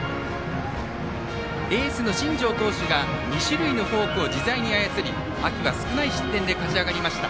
エースの新庄投手が２種類のフォークを自在に操り秋は、少ない失点で勝ち上がりました。